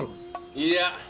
いや！